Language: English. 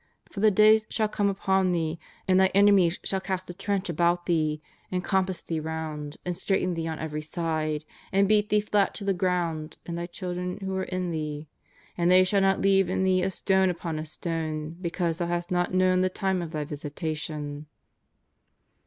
For the days shall come upon thee, and thy enemies shall cast a trench about thee, and compass thee round, and straiten thee on every side, and beat thee flat to the ground and thy children who are in thee; and they shall not leave in thee a stone upon a stone, because thou hast not known the time of thy visitation.'